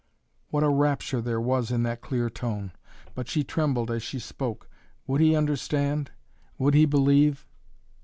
What a rapture there was in that clear tone. But she trembled as she spoke. Would he understand? Would he believe?